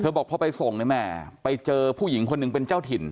บอกพอไปส่งเนี่ยแม่ไปเจอผู้หญิงคนหนึ่งเป็นเจ้าถิ่น